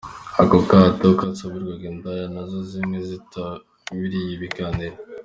Ako kato kasabirwaga indaya, nazo zimwe zitabiriya ibiganiro.